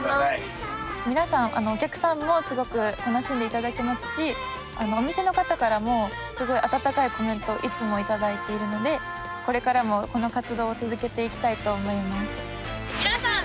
皆さんお客さんもすごく楽しんでいただけますしお店の方からもすごい温かいコメントをいつも頂いているのでこれからもこの活動を続けていきたいと思います。